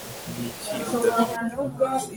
niki udafite